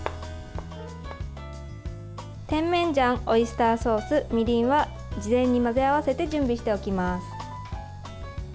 テンメンジャンオイスターソース、みりんは事前に混ぜ合わせて準備しておきます。